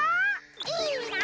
いいな！